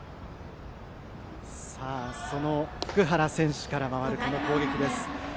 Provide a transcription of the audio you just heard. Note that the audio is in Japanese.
福原選手から回る攻撃です。